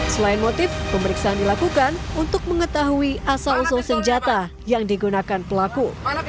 selain motif pemeriksaan dilakukan untuk mengetahui asal usul senjata yang digunakan pelaku